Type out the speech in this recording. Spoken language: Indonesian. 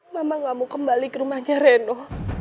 mama tidak mau kembali ke rumah reno